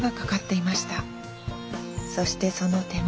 そしてその手間。